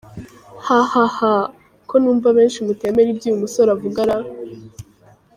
hhhh, ko numva benshi mutemera ibyo uyu musore avuga ra?.